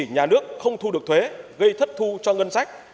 không chỉ nhà nước không thu được thuế gây thất thu cho ngân sách